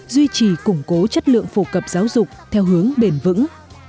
duy trì củng cố chất lượng phổ cập giáo dục theo hướng bền vững